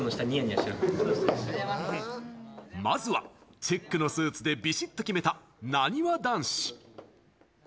まずはチェックのスーツでビシっと決めた、なにわ男子。